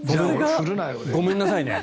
ごめんなさいね。